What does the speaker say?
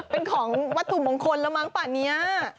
เป็นของวัตถุมงคลแล้วมั้งป่านี้